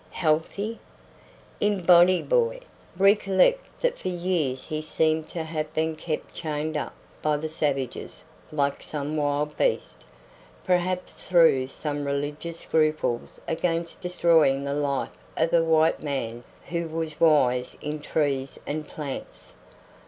"Healthy!" "In body, boy. Recollect that for years he seems to have been kept chained up by the savages like some wild beast, perhaps through some religious scruples against destroying the life of a white man who was wise in trees and plants.